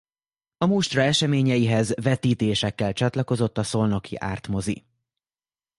A mustra eseményeihez vetítésekkel csatlakozott a szolnoki art-mozi.